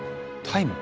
タイム？